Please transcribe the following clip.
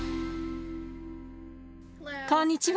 こんにちは。